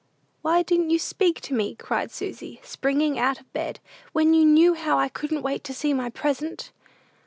"Why didn't you speak to me?" cried Susy, springing out of bed, "when you knew how I couldn't wait to see my present?"